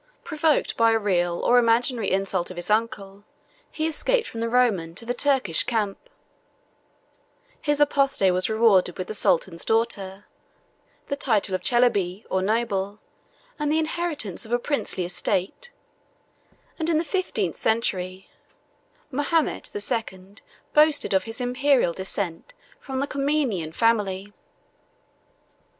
Provoked by a real or imaginary insult of his uncle, he escaped from the Roman to the Turkish camp: his apostasy was rewarded with the sultan's daughter, the title of Chelebi, or noble, and the inheritance of a princely estate; and in the fifteenth century, Mahomet the Second boasted of his Imperial descent from the Comnenian family.